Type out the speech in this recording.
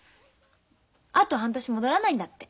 あと半年戻らないんだって。